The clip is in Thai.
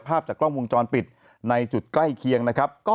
ภาพจากกล้องวงจรปิดในจุดใกล้เคียงนะครับ